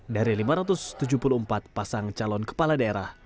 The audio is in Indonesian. dari lima ratus tujuh puluh empat pasang calon kepala daerah